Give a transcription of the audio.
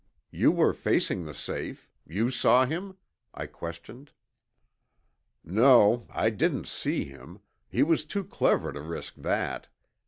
You were facing the safe. You saw him?" I questioned. "No, I didn't see him. He was too clever to risk that.